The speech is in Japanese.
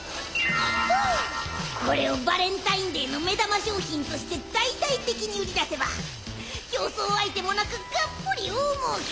これをバレンタインデーの目玉商品として大々的に売り出せば競争相手もなくがっぽり大もうけ！